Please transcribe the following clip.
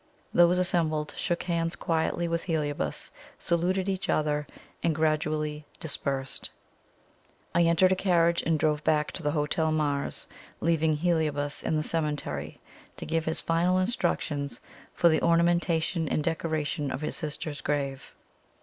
Those assembled shook hands quietly with Heliobas, saluted each other, and gradually dispersed. I entered a carriage and drove back to the Hotel Mars, leaving Heliobas in the cemetery to give his final instructions for the ornamentation and decoration of his sister's grave.